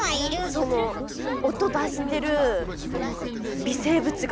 その音出してる微生物が。